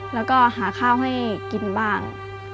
แล้วก็หาข้าวให้กินบ้าง